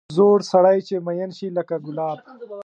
زوړ سړی چې مېن شي لکه ګلاب.